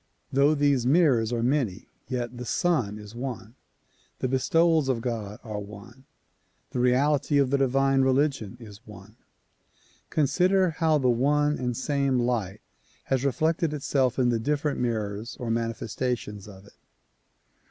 Though these mirrors are many, yet the Sun is one. The bestowals of God are one ; the reality of the divine religion is one. Consider how the one and same light has reflected itself in the different mirrors or manifestations of it.